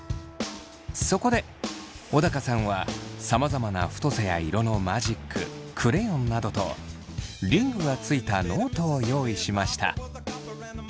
そこで小高さんはさまざまな太さや色のマジッククレヨンなどとリングがついたノートを用意しました。